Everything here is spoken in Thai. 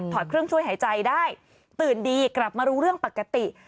เครื่องช่วยหายใจได้ตื่นดีกลับมารู้เรื่องปกติ